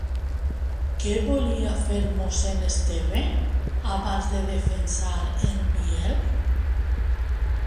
Què volia fer mossèn Esteve abans de defensar en Biel?